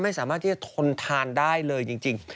ไม่สามารถที่จะทนทานได้เลยจริง